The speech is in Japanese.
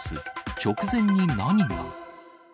直前に何が？